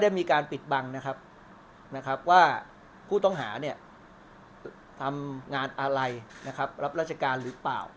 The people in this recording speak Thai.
มีการปิดบังนะครับว่าผู้ต้องหาเนี่ยทำงานอะไรนะครับรับราชการหรือเปล่า